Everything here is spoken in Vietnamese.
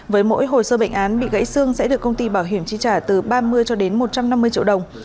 với mỗi hồ sơ bệnh án bị gãy xương sẽ được công ty bảo hiểm chi trả từ ba mươi cho đến một trăm năm mươi triệu đồng